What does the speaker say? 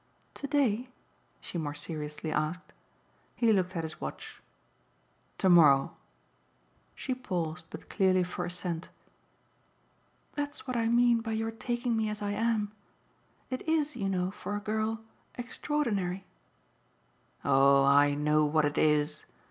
"To day?" she more seriously asked. He looked at his watch. "To morrow." She paused, but clearly for assent. "That's what I mean by your taking me as I am. It IS, you know, for a girl extraordinary." "Oh I know what it is!"